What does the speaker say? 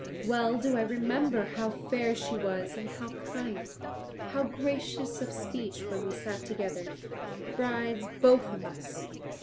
Well do I remember how fair she was and how kind, how gracious of speech when we sat together, brides both of us."